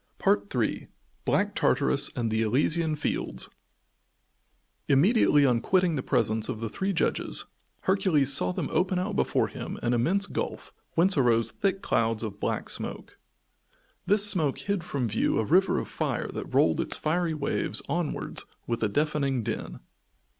III BLACK TARTARUS AND THE ELYSIAN FIELDS Immediately on quitting the presence of the three judges, Hercules saw them open out before him an immense gulf whence arose thick clouds of black smoke. This smoke hid from view a river of fire that rolled its fiery waves onwards with a deafening din.